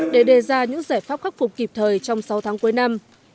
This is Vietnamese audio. để đề ra những giải pháp khắc phục kịp thời trong sáu tháng cuối năm